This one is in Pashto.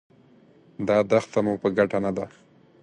دا دښته مو په ګټه نه ده.